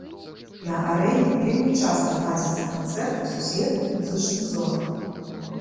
На арэне вельмі часта ладзяцца канцэрты сусветных музычных зорак.